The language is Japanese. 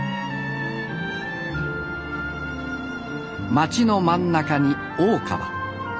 街の真ん中に大川。